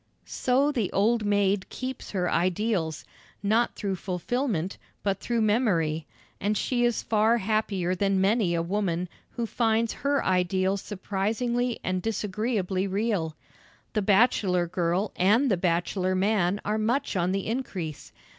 So the old maid keeps her ideals, not through fulfilment, but through memory, and she is far happier than many a woman who finds her ideal surprisingly and disagreeably real. The bachelor girl and the bachelor man are much on the increase.